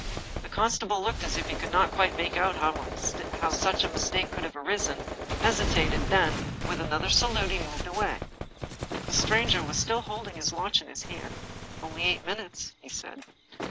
The constable looked as if he could not quite make out how such a mistake could have arisen, hesitated, then, with another salute, he moved away. The stranger was still holding his watch in his hand. " Only eight minutes," he said.